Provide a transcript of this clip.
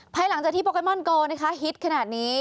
ภายหลังจากที่โปเกมอนโกนะคะฮิตขนาดนี้